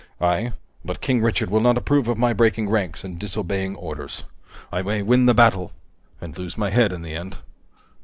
"Aye. But King Richard will not approve of my breaking ranks and disobeying orders. I may win the battle and lose my head in the end."